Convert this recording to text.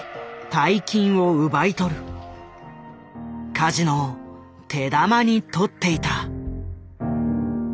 カジノを手玉に取っていた。